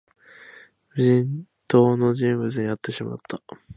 無人島の住民に会ってしまった